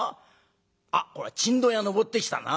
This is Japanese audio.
あっこれはチンドン屋登ってきたな？